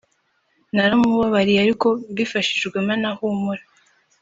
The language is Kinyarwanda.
naramubabariye ariko mbifashijwemo na Humura »